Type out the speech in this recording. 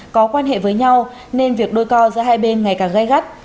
có quan hệ với nhau nên việc đôi co giữa hai bên ngày càng gây gắt